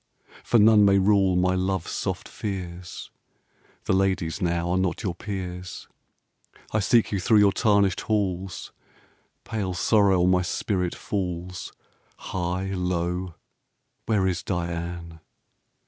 For none may rule my love's soft fears. The ladies now are not your peers, I seek you thro' your tarnished halls, Pale sorrow on my spirit falls High, low where is Diane?